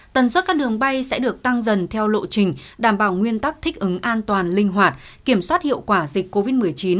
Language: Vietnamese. tần suất các đường bay sẽ được tăng dần theo lộ trình đảm bảo nguyên tắc thích ứng an toàn linh hoạt kiểm soát hiệu quả dịch covid một mươi chín